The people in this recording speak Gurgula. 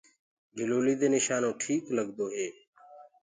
گِلوليٚ دي نِشانو ٽيڪ لگدو هي۔